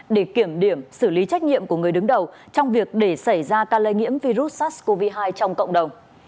để kiểm điểm xử lý trách nhiệm của người đứng đầu trong việc để xảy ra ca lây nhiễm virus sars cov hai trong cộng đồng